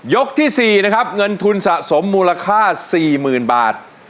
ที่๔นะครับเงินทุนสะสมมูลค่า๔๐๐๐บาท